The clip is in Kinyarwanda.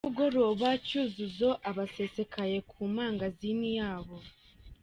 Nimugoroba Cyuzuzo aba asesekaye ku mangazini yabo.